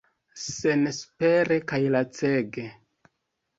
Senespere kaj lacege.